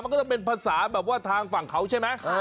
มันก็จะเป็นภาสาแบบทางฝั่งเขาใช่มั้ย